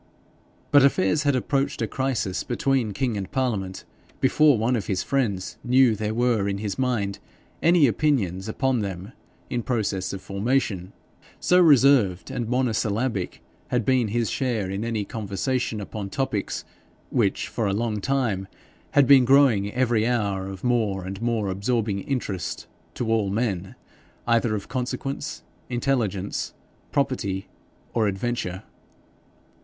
But affairs had approached a crisis between king and parliament before one of his friends knew that there were in his mind any opinions upon them in process of formation so reserved and monosyllabic had been his share in any conversation upon topics which had for a long time been growing every hour of more and more absorbing interest to all men either of consequence, intelligence, property, or adventure.